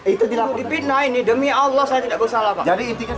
itu difitnah ini demi allah saya tidak bersalah